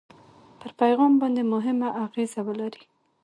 پر پیغام باندې مهمه اغېزه ولري.